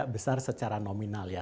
besar secara nominal ya